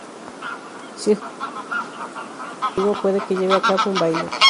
Si el jugador mira, mientras está inactivo, puede que lleve a cabo un baile.